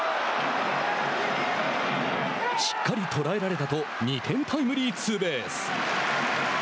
しっかり捉えられたと２点タイムリーツーベース。